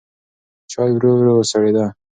چای ورو ورو سړېده.